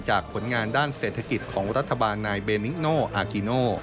ผลงานด้านเศรษฐกิจของรัฐบาลนายเบนิกโนอากิโน